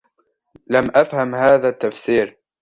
لم أفهم هذا التفسير.